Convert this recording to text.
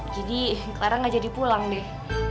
jadi clara gak jadi pulang deh